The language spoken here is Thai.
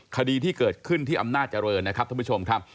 คดีที่เกิดขึ้นที่อำนาจเจริญนะครับท่านผู้ชมครับ